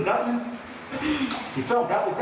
ตอนนี้พอก็ล่างจริงไม่จบ